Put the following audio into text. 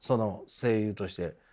声優として。